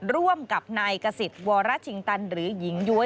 ร่วมกับนายกษิตวรชิงตันหรือหญิงย้วย